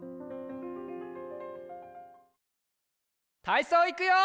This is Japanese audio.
たいそういくよ！